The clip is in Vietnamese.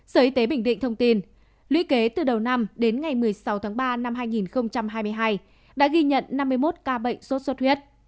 sở y tế bình định thông tin lũy kế từ đầu năm đến ngày một mươi sáu tháng ba năm hai nghìn hai mươi hai đã ghi nhận năm mươi một ca bệnh sốt xuất huyết